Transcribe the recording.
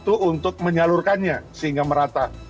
itu untuk menyalurkannya sehingga merata